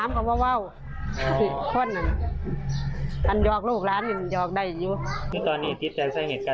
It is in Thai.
เมื่อเมื่อ